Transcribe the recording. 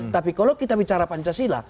tapi kalau kita bicara pancasila